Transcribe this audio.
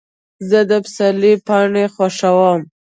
زه د پسرلي پاڼې خوښوم.